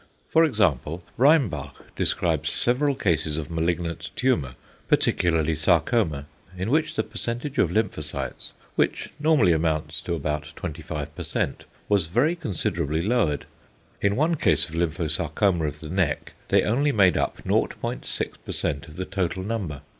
For example, Reinbach describes several cases of malignant tumour, particularly sarcoma, in which the percentage of lymphocytes, which normally amounts to about 25%, was very considerably lowered; in one case of lymphosarcoma of the neck they only made up 0.6% of the total number.